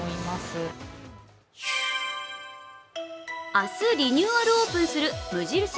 明日リニューアルオープンする無印